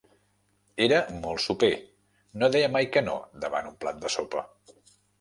Era molt soper: no deia mai que no davant un plat de sopa.